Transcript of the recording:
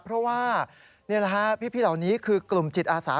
เพราะว่าพี่เหล่านี้คือกลุ่มจิตอาสา